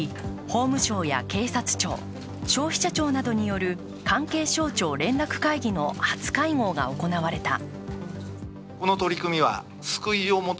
法務省や警察署、消費者庁などによる関係省庁連絡会議の初会合が行われた。